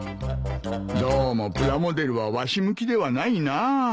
どうもプラモデルはわし向きではないな。